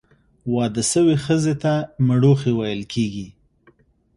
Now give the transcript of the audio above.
واده سوي ښځي ته، مړوښې ویل کیږي.